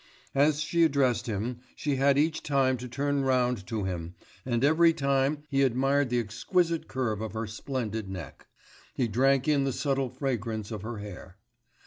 As she addressed him, she had each time to turn round to him, and every time he admired the exquisite curve of her splendid neck, he drank in the subtle fragrance of her hair.